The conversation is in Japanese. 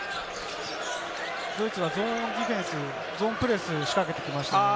ドイツはゾーンディフェンス、ゾーンプレスをしかけてきました。